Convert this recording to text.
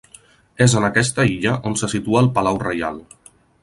És en aquesta illa on se situa el palau reial.